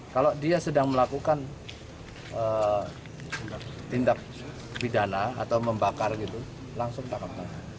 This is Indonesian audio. kalau dia sedang melakukan tindak pidana atau membakar gitu langsung tangkap tangan